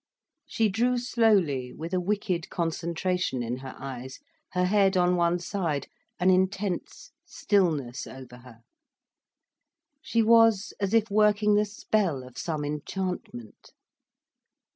She drew slowly, with a wicked concentration in her eyes, her head on one side, an intense stillness over her. She was as if working the spell of some enchantment.